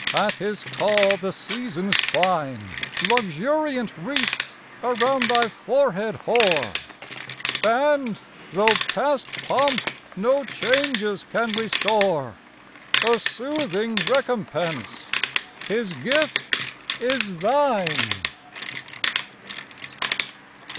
at his call the Seasons twine Luxuriant wreaths around thy forehead hoar; And, though past pomp no changes can restore, A soothing recompence, his gift, is thine!